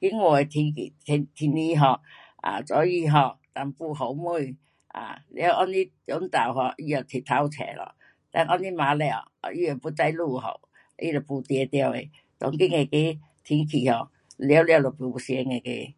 今天的天气天，天气 um 啊早上 um 一点雨滴，um 了后日中午以后太阳出了，等午后晚里 um 它都不知下雨，它也不一定的，当今那个天气哦，全部都别样那个。